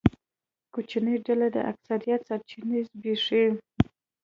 کوچنۍ ډله د اکثریت سرچینې زبېښي.